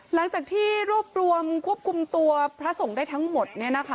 หลังจากที่รวบรวมควบคุมตัวพระสงฆ์ได้ทั้งหมด